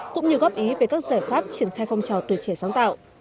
cũng như góp ý về các giải pháp triển khai phong trào tuổi trẻ sáng tạo